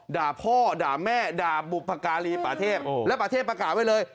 ด่าพ่อด่าแม่ด่าบุพการีป่าเทพแล้วป่าเทพประกาศไว้เลย